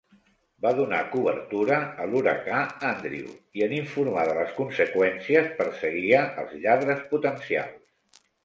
Va donar cobertura a l'huracà Andrew i en informar de les conseqüències perseguia els lladres potencials.